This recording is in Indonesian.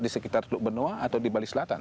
di sekitar teluk benoa atau di bali selatan